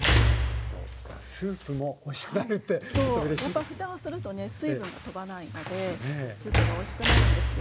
やっぱ蓋をするとね水分がとばないのでスープがおいしくなるんですよ。